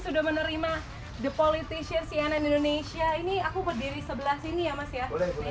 sudah menerima the politician cnn indonesia ini aku berdiri sebelah sini ya mas ya